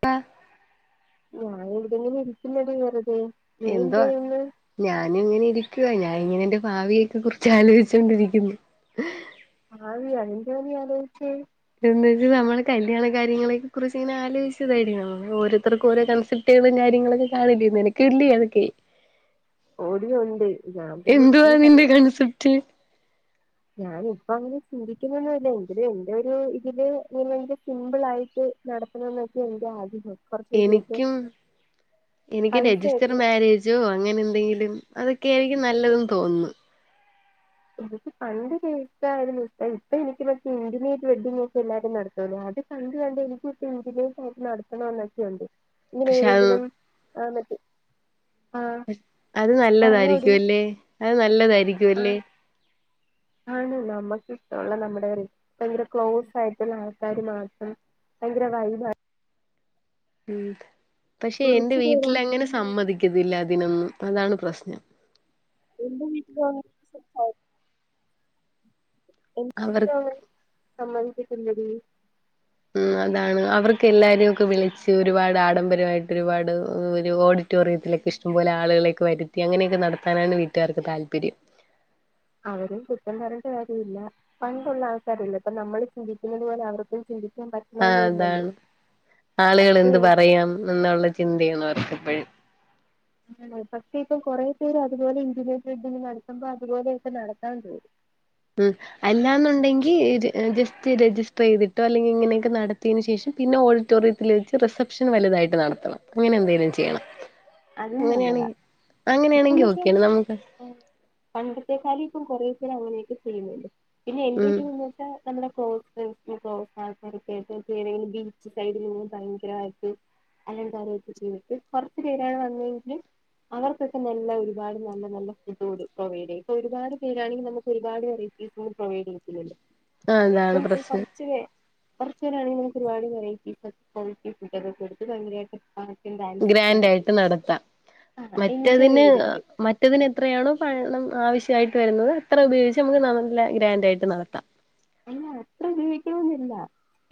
പ ഞാൻ ഇവിടിങ്ങനെ ഇരിക്കുന്നെടി വെറുതെ. നീ എന്ത് എന്തോ ചെയ്യുന്നു ഞാനും ഇങ്ങനെരു ക്കുവ ഞാനിങ്ങനെ എന്റെ ഭാവിയൊക്കെ കുറിച്ച് ആലോചിച്ചോണ്ടിരിക്കുന്നു. ഭാവിയ എന്തുവാ നീ ആലോയിച്ചേ ഇത വെ നമ്മൾ കല്യാണ കാര്യങ്ങളെ കുറിച്ച് ഇങ്ങനെ ആലോചിച്ചതായിരിക്കുംമ്മ ഓരോരുർക്കും ഓരോ കൺസെപ്റ്റുകളും കാര്യങ്ങളുക്കെ കാണന്ന് എനക്ക് ഇല്ലേ അതൊക്കെ. ഓടി ഒണ്ട്. ഞാ പിന്നെ എന്തുവാ എപ്പോഴും ക നിന്റെ കൺസെപ്റ്റ് ഞാന ഇപ്പ അങ്ങനെ ചിന്തിക്കുന്നൊന്നല്ല എങ്കിലും എന്റെ ഒരു ഇതില് ഇങ്ങനെ സിമ്പിൾ ആയിട്ട് നടത്തണ എന്നൊക്കെ എന്റെ ആഗ്രഹം. കുറച്ചുകൂടിയൊക്കെ എനിക്കും എനിക്ക് രജിസ്റ്റർ പൈസയൊക്കെ മാരേജോ അങ്ങനെ എന്തെങ്കിലും അതൊക്കെ ആയിരിക്കും നല്ലതെന്ന് തോന്നുന്നു. എനിക്ക് പണ്ട് കേട്ടരുന്നു. ഇപ്പ ഇപ്പൊ എനിക്ക് മറ്റേ ഇന്റിമേറ്റ് വെഡ്ഡിംഗോക്കെ എല്ലാരും നടത്തുല്ലേ അത് കണ്ട് കണ്ട് എനിക്കിപ്പ ഇന്റിമേട്ടായിട്ട് നടത്തണോന്നൊക്കെയുണ്ട്. പഷ ആ അത് പറഞ്ഞോടി നല്ലതായിരിക്കും അല്ലെ. അത് നല്ലതായിരിക്കും ആ അല്ലേ. ആണ് നമ്മുക്ക്ഷ്ടഒള്ള നമ്മുടെ ഭയങ്കര ക്ലോസ് ആയിട്ടുള്ള ആൾക്കാര് മാത്രം ഭയങ്കര വഴി ഉം പക്ഷെ എന്റെ കുറച്ചു പേരാണെങ്കി വീട്ടിലങ്ങനെ സമ്മതിക്കതില്ല. അതിനൊന്നും അതാണ് പ്രശ്നം. എന്ത വീട്ട എങ്കിലും അവർ അവ സമ്മദിപ്പിച് എല്ലടി. ഉം അതാണ് അവർക്ക് എല്ലാരും ഒക്കെ വിളിച്ച് ഒരുപാട് ആഡംബരമായിട്ട് ഒരുപാട് ഒരു ഓഡിറ്റോറിയത്തിലൊക്കെ ഇഷ്ടംപോലെ ആളുകളേക്കെ വരുത്തി അങ്ങനെയൊക്കെ നടത്താനാണ് വീട്ടുകാർക്ക് താല്പര്യം. അവരും കുറ്റം പറേണ്ട കാര്യ ഇല്ല പണ്ടുള്ള ആൾക്കാരല്ല ഇപ്പ നമ്മള് ചിന്തിക്കുന്നത് പോലെ അവർക്കും ചിന്തി ആ അതാണ് ആളുകൾ പക്ഷെ എന്ത് പറയാം എന്നുള്ള ചിന്തേണ്‌ അവർക്കെപ്പോഴും. അ പക്ഷേ ഇപ്പൊ കൊറേ പേര് അതുപോലെ ഇന്റിമേറ്റ് വെഡിങ് നടത്തുമ്പോ അതുപോലെക്കെ നടത്താ തോന്നും. ഉം അല്ലാന്നുണ്ടെങ്കി ജസ്റ്റ് രജിസ്റ്റർ ചെയ്തിട്ടോ അല്ലെങ്കില് ഇങ്ങനെയൊക്കെ നടത്തിയതിന് ശേഷം പിന്നെ ഓഡിറ്റോറിയത്തില് വെച്ച് റിസപ്ഷൻ വലുതായിട്ട് നടത്തണം. അങ്ങനെ എന്തെിലും ചെയ്യണം അതും നല്ലതാ അങ്ങനെയാണെങ്ക ഇപ്പം അങ്ങനെയാണെങ്കി ഓക്കെയാണ് പക്ഷെ നമുക്ക് ഇ കുറേസ അങ്ങനെയൊക്കെ ചെയ്യുന്നുണ്ട്. പിന്നെ എന്റെ ഉം വിരി എന്ന് വച്ചാ നമ്മുടെ കോക്കെട്ട് ബീച്ച് സൈഡിൽ നി ഭയങ്കരമായിട്ട് അല്ല കാര്യൊക്കെ ചെയ് കുറച്ചു പേരാണ് വന്നതെങ്കിലും അവർക്കൊക്കെ നല്ല ഒരുപാട് നല്ല നല്ല ഫുഡ് കൂ പ്രൊവൈഡ് ചെയ്യും. ഇപ്പൊ ഒരുപാട് പേരാണെങ്കിനമുക്ക് ഒരുപാട് വെറൈറ്റീസ് ഒും പ്രൊവൈഡ് ചെയ്യതില്ലല്ലോ ആഹ് അതാണ് പ്രശ്നം. [unintelligible] ആയിട്ട് ഗ്രാൻഡായിട്ട് നടത്താം. ആ എൻജോയ് മറ്റതിന് ചെയ്തിട്ട് മറ്റതിന് എത്രയാണോ പണം ആവശ്യ യിട്ട് വരുന്നത് എത്ര ഉപയോഗിച്ച് നമുക്ക് നല്ല ഗ്രാൻഡ് ആയിട്ട് നടത്താം. അല്ല അത്ര ജീവിക്കുന്നില്ല.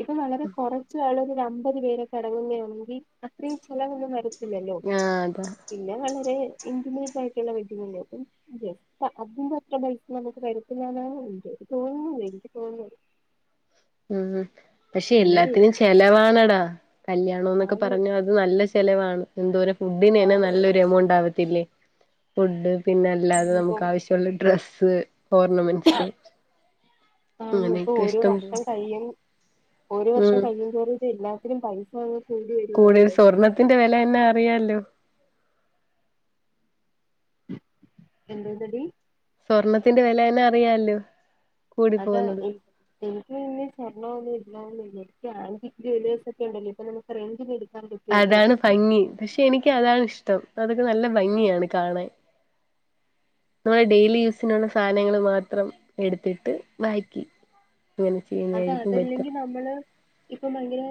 ഇപ്പ വളരെ കുറച്ച ആള്ള ഒര അ മുപ്പത് പേരെക്കെ അടങ്ങുകയാണെങ്കിൽ അത്രയും ചെലവന്ന് മരു ഇല്ല ല്ലോ ആഹ് അതാ പിന്നെ വളരെ ഇൻ്റിമേറ്റ് ആയിട്ടുള്ള വെഡ്ഡിംഗ് അല്ലേ അപ്പൊ ജസ്റ്റ് അതിന്റെ അത്ര പൈസ നമുക്ക് വരുത്തുന്ന എന്നാണ് ഉണ്ട്ത് തോന്നുന്നത്ങ്കിൽ തോന്നോ ഉം പക്ഷെ എല്ലാത്തിനും ചെലവാണടാ കല്യാണം എന്നൊക്കെ ആണ് പറഞ്ഞ അത് നല്ല ചെ ചിലവാണ് എന്തോരം ഫുഡിന് തന്നെ ആണ് നല്ലൊരു എമൗണ്ട് ആവ ത്തില്ലേ ഫുഡ് പിന്നെ അല്ലാതെ നമുക്ക് ഇപ്പം ആവശ്യമുള്ള ഡ്രസ്സ് സതെ ഓർണമെന്റ്സ് ആണ് അങ്ങനെയൊക്കെ ഇഷ്ടം പോലെ ഒരു വർഷം കഴിയ തോര ഇത ഇല്ല ഒത്തിരിയും പൈസആവു കൂടുതൽ സ്വർണത്തിന്റെ വില അ ന്നെ അറിയാല്ലോ എന്ത്ണ്ടടി സ്വർണത്തിന്റെ വിലയന്നെ അറിയാല്ലോ അതാ എ എനക്ക്പിന്നെ സ്വർണം ഒന്നും ഇല്ലാരുന്നെല്ലോ എനിക്ക് ആന്റിക്ക് ജ്വല്ലറ്സ് ഒക്കെ ഉണ്ടല്ലോ ഇപ്പൊ നമുക്ക് റെൻഡിന് എടുക്ക അതാണ് ഭംഗി പക്ഷെ എനിക്ക് അതാണ് ഇഷ്ടം അതൊക്കെ നല്ല ഭംഗിയാണ് കാണാൻ നമ്മുടെ ഡെയിലി യൂസിനുള്ള സാധനങ്ങള് മാത്രം എടുത്തിട്ട് ബാക്കി അങ്ങനെ അത് ചെയ്യുന്നായിരിക്കും ബെറ്റർ അതല്ലെങ്കിൽ നമ്മള് ഇപ്പൊ ഭയങ്കര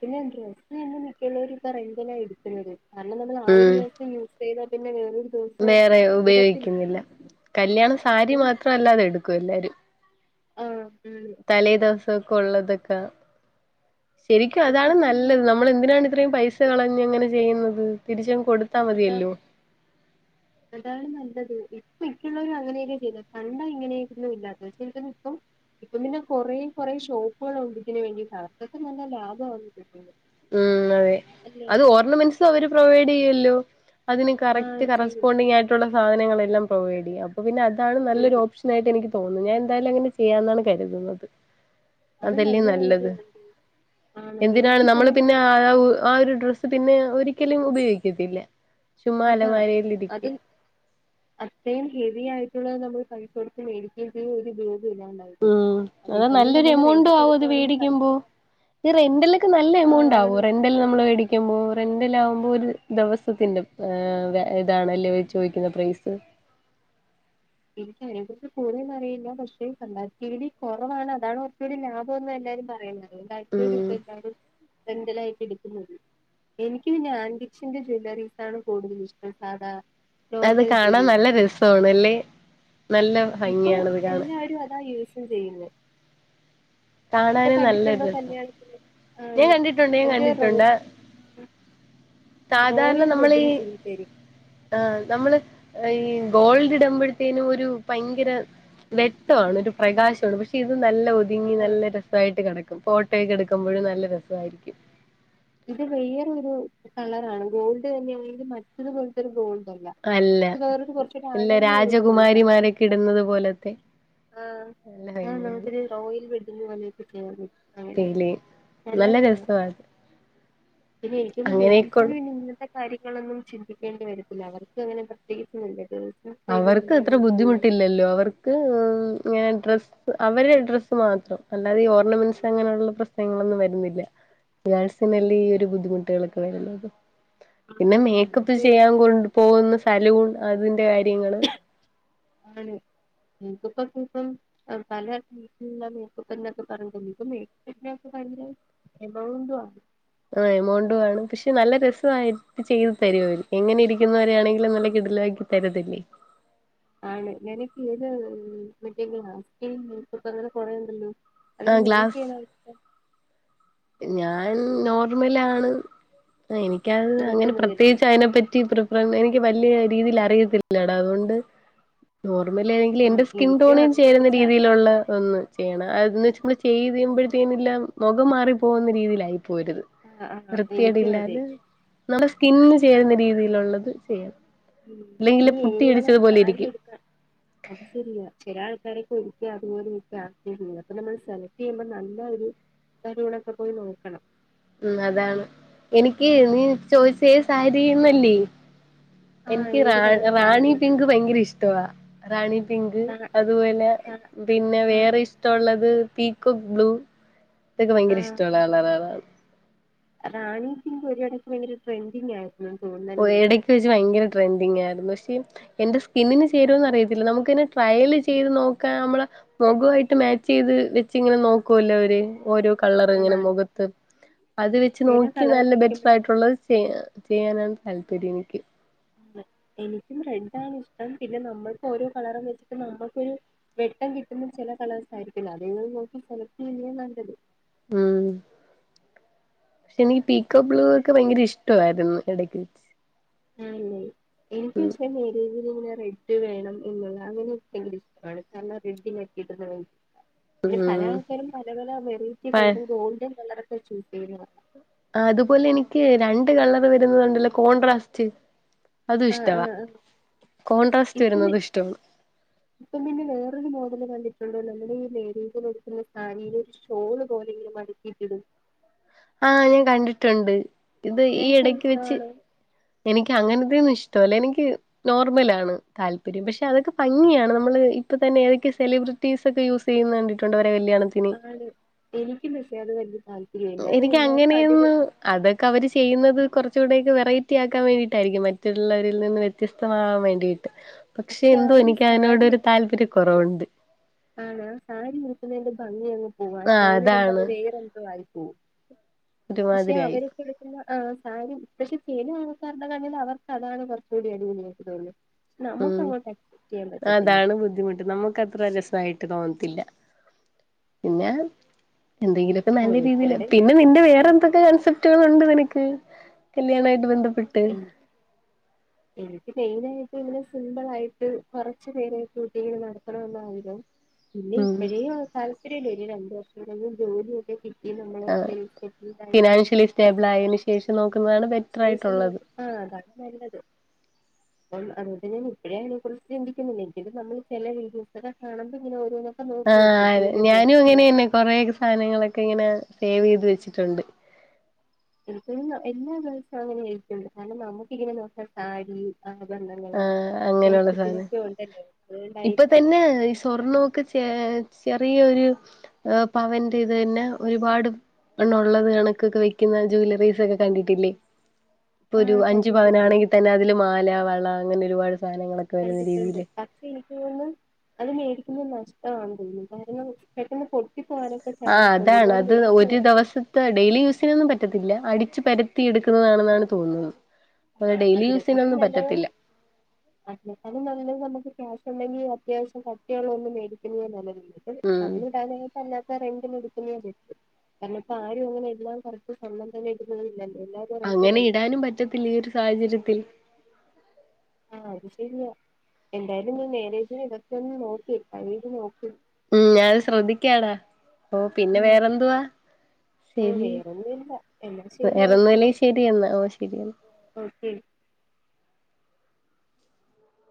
പിന്നെ ഡ്രസ് തന്നെ മിക്കഉള്ളവരും ഇപ്പോ റെൻ്റിനാ എടുക്കുന്നത് കാരണം നമ്മൾ ആ ഒരു ഉം ദിവസം യൂ ത് കഴിഞ്ഞപിന്നെവെറും വേറെ ഉപയോഗിക്കുന്നില്ല കല്യാണം സാരി മാത്രംല്ലാതെ എടുക്കും എല്ലാരും ആഹ തലേദിവസം- ക്കൊള്ളതെക്ക ശരിക്കും പക്ഷെ അതാണ് ഇപ്പൊ ഇങ്ങനെ നല്ലത് നമ്മളെന്തിനാണ് ഇത്രയും പൈസ സ കളഞ്ഞങ്ങനെ ചെയ്യ്ന്നത് അതാ അതാണ് നല്ലത് മിക്കള്ളവരും അങ്ങനെയൊക്കെയാ ചെയ്യ്ന്നെ പണ്ടാ ഇങ്ങനെയൊന്നും ഇല്ലത്തെ ഇപ്പം ഇപ്പം പിന്നെ കൊറേ കൊറേ ഷോപ്പുകൾ ഒണ്ട് ഇതിന് വേണ്ടിട്ട് അവർക്കൊക്കെ നല്ല ലാഭവുന്നെ മ് അതെ അത് ഓർണമെന്റ്സും അവര് പ്രൊവൈഡ് ചെയ്യല്ലോ [inaudible] അതിന് ആഹ് കറക്റ്റ് ചെയ്യും കറസ്പോണ്ടിങ്ങായിട്ടുള്ള സാധനങ്ങളെല്ലാം പ്രൊവൈഡെയ്യ അപ്പൊ പിന്നെ അ അതാണ് നല്ലൊരു ചെയ്യും ഓപ്ഷനായിട്ടനിക്ക് തോന്നുന്നു ഞാൻ എന്തായാലും അങ്ങനെ ചെയ്യാന്നാണ് കര്തുന്നത് അത് നല്ലൊരു ഐഡിയാണടീ ആണ് എന്തിനാണ് എനിക്കിപ്പൊ നമ്മള് ബ പിന്നെ ആ [unintelligible] ആ ഒരു ഡ്രസ് പിന്നെ ഒരിക്കലും ഉപയോഗിക്കത്തില്ല ചുമ്മാ അതാ അലമാരയിൽ അത് ഇരിക്കും അത്രയും ഹെവി ആയി ട്ടുള്ളത് നമ്മൾ പൈസ കൊടുത്ത് മേടിക്യേം ചെയ്യും ഒരു ഗ്രൂ മ് അത് നല്ലൊരു എമൗണ്ട് റെന്റിന് ആവും അത് എടുക്കുവാണെങ്കിൽ പൈസ വേടിക്കുമ്പോ ഈ റെന്റലൊക്കെ നല്ല എമൗണ്ട് ആവോ ആണ് റെന്റല് നമ്മൾ വേടിക്കുമ്പോ റെന്റലാവുമ്പോ ഒരു ദെവസത്തിന്റെ ഏഹ് ഇത ഇതാണല്ലേ അവര് ചോദിക്കുന്നെ പ്രൈസ് എനിക്കതിനെ കുറിച്ച് കൂടുതലറിയില്ല പക്ഷേ കമ്പാരിറ്റിവലി കൊറവാണ് അതാണ് കൊറ്ച്ചൂടി ലാഭം എന്ന എല്ലാരും പറയുന്നെ ഉം അത്ണ്ടാക്കിയോളിപ്പന്തായാലും റെന്റലായിട്ട് എടുക്ക്ന്നത് എനിക്ക് പിന്നെ ആന്റിക്ഷന്റെ ജ്വല്ലറീസാണ് കൂടുതലിഷ്ടം സാധാ അത് നോർമൽ കാണാൻ നല്ല ജ്വല്ലറീസ് രസോണല്ലേ ഇപ്പൊ എല്ലാരും അതാ യൂസും ചെയ്യ്ന്നേ കാണാനും നല്ലൊരു രസ കല്യാണത്തിന് ഞാൻ ആണ് കണ്ടിട്ടുണ്ട് ഞാൻ എനിക്ക് റോ കണ്ടിട്ടുണ്ട് സാധാരണ റോയൽ നമ്മളീ വെഡ്ഡിങ് ചെയ്തു തരും ആ നമ്മള് ഈ ഗോൾഡ് ഇടമ്പോഴത്തേനും ഒരു ഭയങ്കര വെട്ടൊവാണ് ഒരു പ്രകാശവാണ് പക്ഷെ ഇതൊ നല്ല ഒതുങ്ങി നല്ല രസായിട്ട് കെട ക്കും ഫോട്ടോയൊക്കെ എടുക്കുമ്പോഴും ന നല്ല രസവായിരിക്കും ഇത് വേറൊരു കളറാണ് ഗോൾഡ് തന്നെയായെലും മറ്റൊരു പോലത്തെരു ഗോൾ യല്ല അല്ല വേറൊരു കൊറച്ചൂടെ ഇല്ല അണഞ്ഞൊരു ഗോൾഡാ രാജകുമാരിമാരൊക്കെ ഇടുന്നത് പോലത്തെ നല്ല ആഹ് ഭംഗിയാണ് നമുക്കൊരു റോയൽ വെഡിങ് [unintelligible] [unintelligible] പിന്നെല്ലെ നല്ല രസാണത് പിന്നെ എനിക്കൊന്നും ബോയിസ് [unintelligible] ആ കാര്യങ്ങളൊന്നും ചിന്തിക്കേണ്ടി വരത്തില്ല അവർക്ക് അങ്ങനെ പ്രത്യേകിച്ച് ഒന്നുല്ലതും അവർക്ക് ഇത്ര ബുദ്ധിമുട്ടില്ലല്ലോ അവർക്ക് ഇങ്ങനെ ഡ്രസ്സ്. അവരെ ഡ്രസ്സ് മാത്രം അല്ലാതെ ഈ ഓർണമെന്റ്സ് അങ്ങനെയുള്ള പ്രശ്നങ്ങളൊന്നും വരുന്നില്ല, ഗേൾസിന് അല്ലെ ഈ ഒരു ബുദ്ധിമുട്ടുകൾ ഒക്കെ വരുന്നത്. പിന്നെ ആണ് മേക്കപ്പ് നമുക്ക് ചെയ്യാൻ പിന്നെ കൊണ്ട് പോകുന്നു. സലൂൺ അതിന്റെ കാര്യം. ആണ് എനിക്ക് ഇപ്പം ഇപ്പം പല സിറ്റുള്ള മോപ്പ് എന്റെടുത്ത്‌ പറഞ്ഞിട്ടുണ്ട് ഇപ്പേ [unintelligible] ഭയങ്കര എമൗണ്ട്. ആഹ് എമൗണ്ടും ആണ് പക്ഷെ നല്ല രസവായിട്ട് ചെയ്തു തരും അവരെ എങ്ങനെയിരിക്കുന്നവർ ആണെങ്കിലും നല്ല കിടിലൻ ആക്കി തരത്തില്ലേ. ആണ് ഞാൻ ഈ പേര് കിട്ടിയെങ്കിലാ സ്കിൻ അങ്ങനെത്തെ കൊറെയുണ്ടല്ലോ. ആ അവരൊരു നിനക്ക് ഗ്ലാസ് ഏത് ഇഷ്ടം. ഞാൻ നോർമൽ ആണ്. എനിക്കത് അങ്ങനെ നോക്കുന്നതല്ലേ പ്രത്യേകിച്ച് അതിനെപ്പറ്റി പ്രിപ്പയർ. എനിക്ക് വലിയ രീതിയിൽ അറിയത്തില്ലടാ അതുകൊണ്ട്. നോർമൽ ആണെങ്കിൽ ആഹ് എന്റെ സ്കിൻ എനിക്കും ടോണിൽ അതിനെ ചേരുന്ന കുറിച്ച് രീതിയിലുള്ള ഒന്ന് ചെയ്യണം അതിന്. ച്ചു ചെയ്തു കഴിയുമ്പത്തേനു എല്ലാം. മുഖം മാറി. പോകുന്ന രീതിയിലായി. പോകരുത് ആഹ് ആഹ് വൃത്തികേട് എനിക്കും അതെ ഇല്ലാതെ നല്ല സ്കിന് ചേരുന്ന രീതിയിലുള്ളത്. പ് ചെയ്യ ഉം നീ ഏത് കളർ സാരി ഇരിക്കും എടുക്കാ? അത് ശരിയാ ചില ആൾക്കാരെക്കൊര് ക്കെ അതുപോലെ [unintelligible] അപ്പ നമ്മൾ സെലക്ട് ചെയ്യുമ്പോ നല്ല ഒരു [unintelligible] പോയി നോക്കണം മ് അതാണ്. എനിക്ക് നീ ചോദിച്ചേത് സാരിന്നല്ലേ. ആഹ് എനിക്ക് റാ ഏത് കളർ റാണി സാരിയാണ് പിങ്ക് ഭയങ്കര ഇഷ്ടവാ. രാണി പിങ്ക് അതാ അതുപോലെ പിന്നെ ആഹ് വേറെ ഇഷ്ടവുള്ളത് പീക്കോക് ബ്ലു ഇതൊക്കെ ഭയങ്കര ഇഷ്ടവുള്ള കളറേളാണ്. അഹ് റാണി പിങ്ക് ഒരിടക്ക് ഭയങ്കര ട്രെൻഡിങ് ആയി ഓഹ് എടയ്ക്ക് വെച്ച് ഭയങ്കര ട്രെൻഡിങ് ആയിരുന്നു പശ് [unintelligible] എന്റെ സ്കിന്നിന് ചേരോന്ന് അറിയത്തില്ല. നമുക്ക് ഇങ്ങനെ ട്രയൽ ചെയ്ത് നോക്കാ ഞമ്മളെ മൊഖൊ ആയിട്ട് മാച്ച് ചെയ്ത് വെച്ച് ഇങ്ങനെ നോക്കുവല്ലോ അവര്. ഓരോ കളർ ഇങ്ങനെ ആണാണ് മുഖത്ത് അത് വെച്ച് ചില നോക്കി കളർ നല്ല ബെറ്റർ വെക്കുമ്പഴ് ആയിട്ടുള്ളത് ചെയ് ഏഹ് ചെയ്യാനാന്ന് താല്പര്യഎനിക്ക് ആണ് എനിക്കും റെഡ് ആണ് ഇഷ്ടം. പിന്നെ നമ്മൾക്ക് ഓരോ കളറും വെച്ചിട്ട് നമ്മക്കൊരു വെട്ടം കിട്ടുമ്പം ചെല കളേഴസ് ആയിരിക്കില്ല അതൊന്ന് നോക്കി സെലക്ട് ചെയ്യുന്നേ നല്ലത്. ഉം പക്ഷെ എനിക്ക് പീക്കോക് ബ്ലൂ ഒക്കെ ഭയങ്കര ഇഷ്ടവായിരുന്ന് എടക്ക് വച്ച്. ആഹ് ല്ലേ എനിക്ക് പഷേ [unintelligible] ഡ് വേണം എന്നുള്ള അങ്ങനെയൊക്കെ എൻറെ ഇഷ്ടമാണ് കാരണം റെഡിനൊക്കെ കിട്ടുന്ന [unintelligible] പിന്നെ പല ഉം ആൾക്കാരും പല പല വെറൈറ്റി പ കളറ് ഗോൾഡൻ കളറ് [unintelligible] അതുപോലെ എനിക്ക് രണ്ട് കളറ് വരുന്നതുണ്ടല്ലോ കോൺട്രാസ്റ്റ് അതും ആഹ് ഇഷ്ടവാ ആഹ് ആഹ് കോൺട്രാസ്റ്റ് ഇപ്പം വരുന്നതും ഇഷ്ടവാണ് ഇപ്പം പിന്നെ വേറൊരു [unintelligible] നമ്മുടെ ഈ മേരേജിന് ഉടുക്കുന്ന സാരിടെ ഒരു ഷോള് പോലെ ഇങ്ങനെ മടക്കിട്ടിടും ആഹ് ഞാൻ കണ്ടിട്ടുണ്ട് ഇത് ഈ ഇടക്ക് വെച്ച് നിനക്കതിഷ്ടാണോ എനിക്ക് അങ്ങനത്തെ ഒന്നും ഇഷ് ഇഷ്ടവല്ല എനിക്ക് നോർമലാണ് താൽപ്പര്യം, പക്ഷേ അതൊക്കെ ഭംഗിയാണ്, നമ്മള് ഇപ്പത്തന്നെ ഏതൊക്കെയോ സെലിബ്രിറ്റീസൊക്കെ യൂസ് ചെയ്യുന്ന കണ്ടിട്ടുണ്ട് [unintelligible] ആണ് എനിക്ക് [unintelligible] വലിയ താൽ എനിക്ക് അങ്ങനെയന്ന് അതൊക്കെ അവര് ചെയ്യുന്ന ത് കൊറച്ചൂടിയൊക്കെ വെറൈറ്റി ആക്കാൻ വേണ്ടിയിട്ടായിരിക്കും മറ്റുള്ളരിൽ നിന്ന് വ്യത്യസ്തമാവാൻ വേണ്ടിയി പക്ഷെ ആ എന്തോ ഒരു എനിക്ക് സാരി അതിനോടൊരു താല്പര്യ കൊറവു അ ആണ് ആ സാരി ഉടുക്കുന്നതിന്റെ ഭംഗി അങ്ങ് പോവാ ആ ആഹ് അതാണ് ഷോളിടുമ്പഴ് വേറെ എന്തോ ആയി. [unintelligible] പക്ഷെ ഒരുമാതിരിയായി അവരീ കൊടുക്കുന്ന ആ സാരി പക്ഷേ ചില ആൾക്കാരുടെ കണ്ണിൽ അവർക്ക് അതാണ് കൊറച്ചൂടി അടിപൊളിയായിട്ട് തോന്നിയേ. ഉം അതാണ് ബുദ്ധിമുട്ട് നമുക്ക് അത്ര രസവായി തോന്നത്തില്ല പിന്നെ എന്തെങ്കിലൊക്കെ നല്ല രീതിയില് ഓരോരുത്തരുടെ പിന്നെ നിന്റെ വേറെ എന്തൊക്കെ കൺസെപ്റ്റുകളുണ്ട് നിനക്ക്. [unintelligible] കല്യാണായിട്ട് ബന്ധ എൻ എനിക്ക് മെയിൻ ആയി ഇങ്ങനെ സിമ്പിൾ ആയിട്ട് കൊറച്ചു പേരെ കൂട്ടി നടത്തണെന്നാ ആഗ്രഹം. ഇല്ല ഉം ഇപ്പഴേ താല്പര്യല്ലേ ഈ രണ്ടു വർഷം [unintelligible] ജോലിയൊക്കെ കി ആ ഫിനാൻഷ്യലി സ്റ്റേബിൾ കുറച്ച് ആയേന് ശേഷം നോക്കുന്നതാണ് ബെറ്റർ ആയിട്ടുള്ളത്. ആ അതാണ് നല്ലത് അപ്പം അതുകൊണ്ട് ഞാൻ ഇപ്പഴേ അതിനെ കുറിച്ച് ചിന്തിക്കുന്നില്ല, എങ്കിലും നമ്മള് ചെല വീഡിയോസൊക്കെ കാണുമ്പോ ഇങ്ങനെ ഓരോന്നൊ ആ ഞാനും അങ്ങനെ തന്നെ കൊറെ ഒക്കെ സാധനങ്ങളൊക്കെ ഇങ്ങനെ സേവ് ചെയ്ത് വെച്ചിട്ടൊണ്ട്. ഉം എല്ലാ ഗേൾസും അങ്ങനെ ആയിരിക്കും കാരണം നമക്ക് ഇങ്ങനെ നോക്കാൻ സാരി ആ ആഭരണങ്ങള് അങ്ങനെയെള്ള സാധനം മേക്കപ്പിലൊക്കെ ഉണ്ടല്ലോ ഇപ്പം അതുകൊണ്ടായിരിക്കും തന്നെ ഈ സ്വർണോക്കെ ചേ യെ ചെറിയെര് പവൻ്റെ ഇത് തന്നെ ഒരുപാട് എണ്ണേള്ളാ കണക്കൊക്കെ വെക്ക്ന്ന ജുവല്ലറീസ് ഒക്കെ കണ്ടിട്ടില്ലേ ഇപ്പം ഒര് ആഹ് അഞ്ച് കണ്ടിട്ടുണ്ട് പവനണാങ്കി തന്നെ അതില് മാല, വള അങ്ങനെ ഒര്പാട് അത് എനിക്ക് തോന്നും [unintelligible] പി നഷ്ടണോന്ന് തോന്നു കാരണം പെട്ടെന്ന് പെ ആ അതാണ് അത് ഒര് വേണം ദെവസത്തെ ഡെയിലി യൂസിനൊന്നും പറ്റ ഇല്ലാ അടിച്ച് പരത്തി എടുക്കുന്നതാണെന്നാണ് തോന്നുന്നത് ആ ഡെയിലി അതിനേക്കാട്ടി യൂസിനൊന്നും നല്ലത് പറ്റത്തില്ല അതിനേക്കാട്ടി നല്ലത് നമക്ക് ക്യാഷ് ണ്ടെങ്കി അത്യാവിശ്യം കട്ടിയെള്ളെ ഒന്ന് മേടിക്ക്ന്നത് നല്ലത് ഉം അന്ന് ഇടാന് പിന്നെ ക റെൻ്റിന് എട്ക്ക്ന്നായാ [unintelligible] കരണം ഇപ്പം ആരും അങ്ങനെ എല്ലാം കറക്റ്റ് സ്വർണം തന്നെ ഇടുന്നവര് ഇല്ലല്ലോ അങ്ങനെ ഇടാനും പറ്റത്തില്ലി സാഹചര്യത്തിൽ ആ അത് ശെരിയാ എന്തായാലും നീ നേരെ ചൊവ്വേ ഇതൊക്കെ ഒന്ന് നോക്ക് [unintelligible] ഉം ഞാനും ശ്രദ്ധിക്കാടാ ഓ പിന്നെ വേറെന്തുവാ ആ ശെരി വേറൊന്നുമില്ല എന്നാ ശരി ഓക്കെ വേറെന്നുല്ലെങ്കി ശെരിയെന്നാ ഓ ശെരിയെന്നാ ഓക്കെ